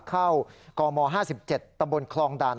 เข้ากม๕๗ตำบลคลองด่าน